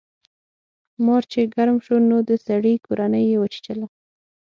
مار چې ګرم شو نو د سړي کورنۍ یې وچیچله.